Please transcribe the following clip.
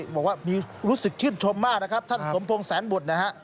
บอกว่ามีรู้สึกชื่นชมมากนะครับท่านสมพงษ์แสนบุตรนะฮะ